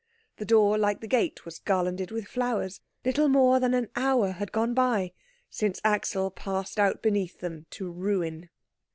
The door, like the gate, was garlanded with flowers. Little more than an hour had gone by since Axel passed out beneath them to ruin.